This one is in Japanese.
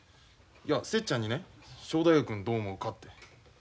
いや節ちゃんにね正太夫君どう思うかって。